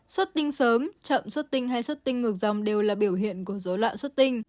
xuất tinh sớm chậm xuất tinh hay xuất tinh ngược dòng đều là biểu hiện của dối loạn xuất tinh